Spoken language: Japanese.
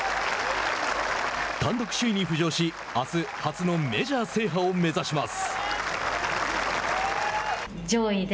単独首位に浮上しあす、初のメジャー制覇を目指します。